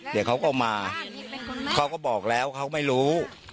เดี๋ยวเขาก็มาเขาก็บอกแล้วเขาไม่รู้